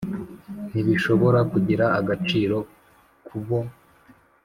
ntibishobora kugira agaciro ku bo